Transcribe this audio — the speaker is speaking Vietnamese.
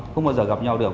không bao giờ gặp nhau được